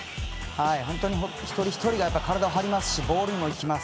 本当に一人一人が体を張りますしボールにもいきます。